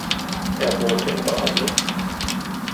Er wohnte in Basel.